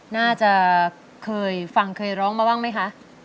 น่าจะเคยฟังเคยร้องมาบ้างไหมคะ